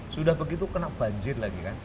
sudah begitu kena banjir lagi kan